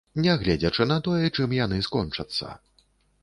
Нягледзячы на тое, чым яны скончацца.